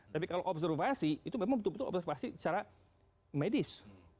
nah observasi itu memang observasi secara medis